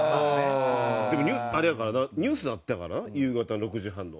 でもあれやからなニュースになったんやからな夕方６時半の。